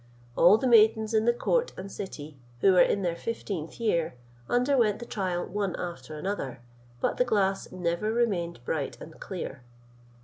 All the maidens in the court and city, who were in their fifteenth year, underwent the trial one after another, but the glass never remained bright and clear.